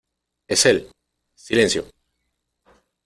¡ Es él! ¡ silencio !